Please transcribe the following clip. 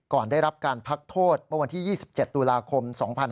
ก่อนได้รับการพักโทษเมื่อวันที่๒๗ตุลาคม๒๕๕๙